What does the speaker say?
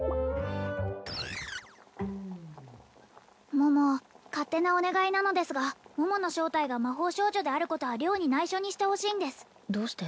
桃勝手なお願いなのですが桃の正体が魔法少女であることは良に内緒にしてほしいんですどうして？